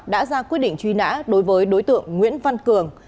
đã ra quyết định truy nã đối với đối tượng nguyễn văn cường